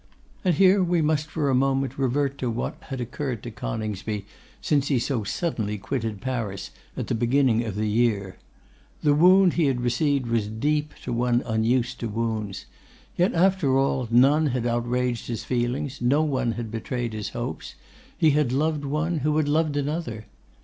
And here we must for a moment revert to what had occurred to Coningsby since he so suddenly quitted Paris at the beginning of the year. The wound he had received was deep to one unused to wounds. Yet, after all, none had outraged his feelings, no one had betrayed his hopes. He had loved one who had loved another.